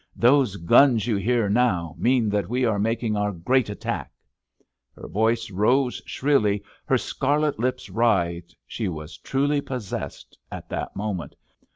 "Those guns you hear now mean that we are making our great attack." Her voice rose shrilly; her scarlet lips writhed. She was truly possessed at that moment.